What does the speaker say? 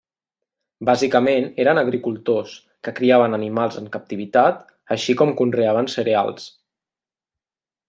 Bàsicament eren agricultors, que criaven animals en captivitat així com conreaven cereals.